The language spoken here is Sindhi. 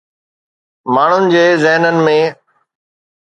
ماڻهن جي ذهنن ۾.